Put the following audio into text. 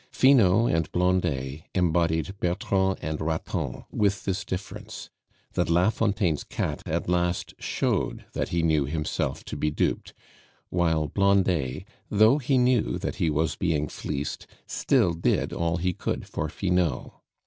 Finot and Blondet embodied Bertrand and Raton, with this difference that la Fontaine's cat at last showed that he knew himself to be duped, while Blondet, though he knew that he was being fleeced, still did all he could for Finot.